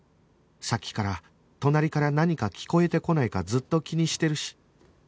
さっきから隣から何か聞こえてこないかずっと気にしてるし